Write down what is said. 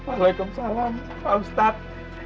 waalaikumsalam pak ustadz